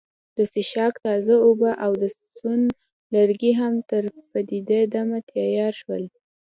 د څښاک تازه اوبه او د سون لرګي هم تر سپیده دمه تیار شول.